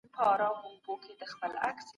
که کنټ ژوندی وای نو دا بحث به یې کاوه.